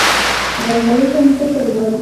غرغړې ته منتظر ول.